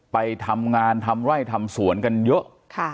ไปทำงานทำไร่ทำสวนกันเยอะ